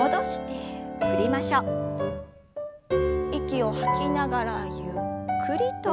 息を吐きながらゆっくりと。